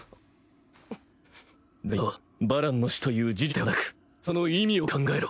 だが今はバランの死という事実ではなくその意味を考えろ。